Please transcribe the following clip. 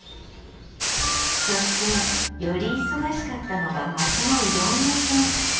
そしてより忙しかったのが町のうどん屋さん。